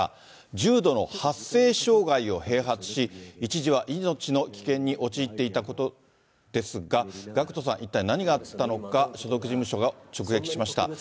重度の発生障害を併発し、一時は命の危険に陥っていたことということですが、ＧＡＣＫＴさんに一体何があったのか、所属事務所を直撃しました。